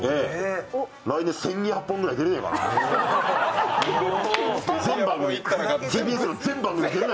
来年、１２００本くらい出れねえかな。